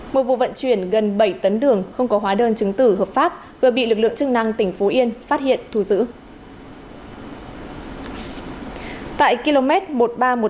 một vụ vận chuyển gần bảy tấn đường không có hóa đơn chứng tử hợp pháp vừa bị lực lượng chức năng tỉnh phú yên phát hiện thu giữ